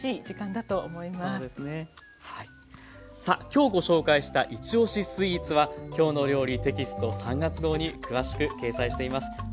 さあきょうご紹介したいちおしスイーツは「きょうの料理」テキスト３月号に詳しく掲載しています。